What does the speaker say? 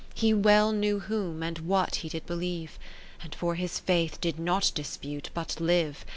He well knew whom, and what he did believe. And for his faith did not dispute, but live.